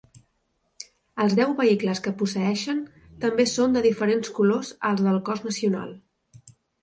Els deu vehicles que posseeixen també són de diferents colors als del cos nacional.